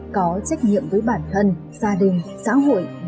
có trách nhiệm với bản thân gia đình xã hội và đất nước